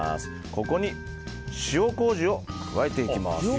ここに塩麹を加えていきます。